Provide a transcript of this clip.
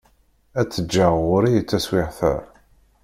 Ad tt-ǧǧeɣ ɣur-i taswiεt-a.